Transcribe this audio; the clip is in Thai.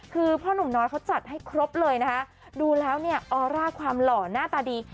คือพ่อหนุ่มน้อยเขาจัดให้ครบเลยนะคะดูแล้วเนี่ยออร่าความหล่อหน้าตาดี